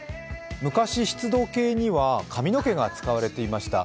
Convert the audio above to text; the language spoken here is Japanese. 昔、湿度計には髪の毛が使われていました。